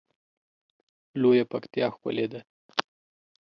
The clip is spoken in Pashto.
لویه پکتیا ښکلی ده